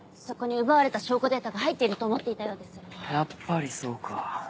そこに奪われた証拠データが入っていると思っていたようです。